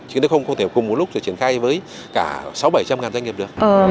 chứ nó không có thể cùng một lúc được triển khai với cả sáu bảy trăm ngàn doanh nghiệp được